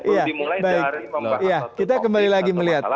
iya baik kita kembali lagi melihat